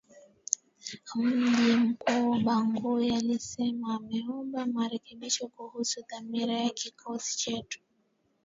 mji mkuu Bangui alisema ameomba marekebisho kuhusu dhamira ya kikosi chetu